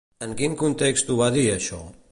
En quin context ho va dir, això?